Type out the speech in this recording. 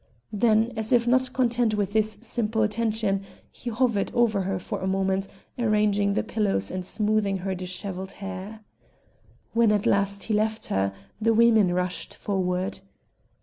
Then, as if not content with this simple attention, he hovered over her for a moment arranging the pillows and smoothing her disheveled hair. When at last he left her, the women rushed forward.